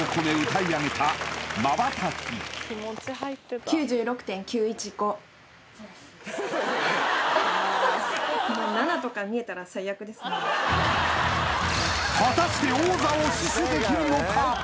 そうです果たして王座を死守できるのか？